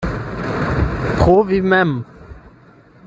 Pro vi mem.